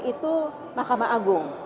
itu mahkamah agung